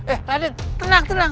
eh raden tenang tenang